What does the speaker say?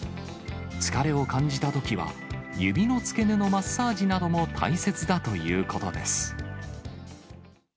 疲れを感じたときは、指の付け根のマッサージなども大切だということです。